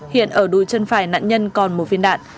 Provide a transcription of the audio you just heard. hiện ở đùi chân phải nạn nhân còn một viên đạn